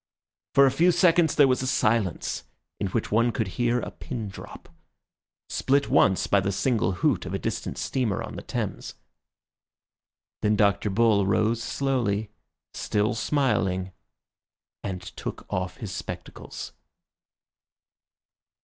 For a few seconds there was a silence in which one could hear a pin drop, split once by the single hoot of a distant steamer on the Thames. Then Dr. Bull rose slowly, still smiling, and took off his spectacles.